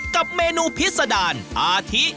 กับเมนูพิษดารอาทิ